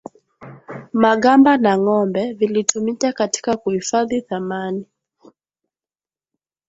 magamba na ngombe vilitumika katika kuhifadhi thamani